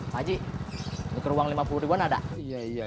pakcik ini keruang lima puluh ribuan ada